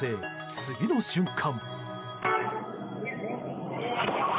次の瞬間。